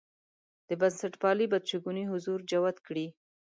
د بنسټپالنې بدشګونی حضور جوت کړي.